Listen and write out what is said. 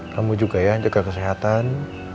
kamu juga ya jaga kesehatan